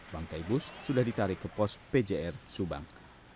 bangkai bus sudah ditarik ke pos pjr subang